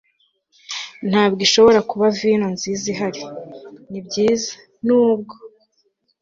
ntabwo ishobora kuba vino nziza ihari. nibyiza, nubwo